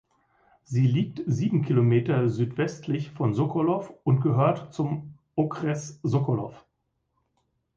Sie liegt sieben Kilometer südwestlich von Sokolov und gehört zum Okres Sokolov.